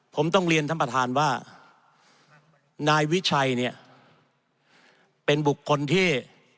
ผมต้องเรียนท่านประธานว่านายวิชัยเนี่ยเป็นบุคคลที่